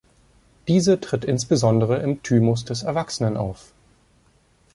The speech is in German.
Diese tritt insbesondere im Thymus des Erwachsenen auf.